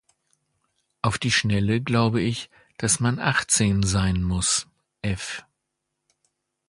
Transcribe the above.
Auf die Schnelle glaube ich, dass man achtzehn sein muss, f